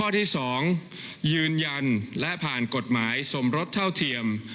ที่๒ยืนยันและผ่านกฎหมายสมรสเท่าเทียม